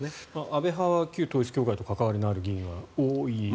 安倍派は旧統一教会と関わりのある議員は多い。